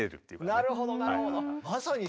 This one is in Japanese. なるほどなるほど。